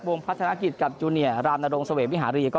วงพัฒธนาคิตกับจูเนียรามนาโรงสววีมวิหารีก็